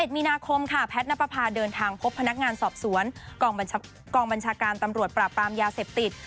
มีนาคมค่ะแพทย์นับประพาเดินทางพบพนักงานสอบสวนกองบัญชาการตำรวจปราบปรามยาเสพติด